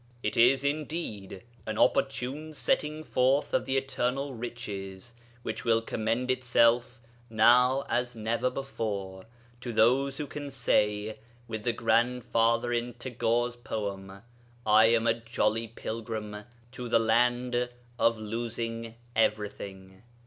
It is indeed an opportune setting forth of the eternal riches, which will commend itself, now as never before, to those who can say, with the Grandfather in Tagore's poem, 'I am a jolly pilgrim to the land of losing everything.'